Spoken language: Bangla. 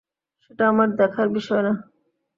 সেটা আমার দেখার বিষয় না!